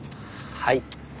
はい。